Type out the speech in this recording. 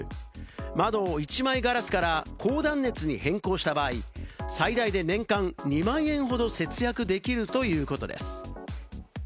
窓を１枚ガラスから高断熱に変更した場合、最大で年間２万円ほど節約できるということです。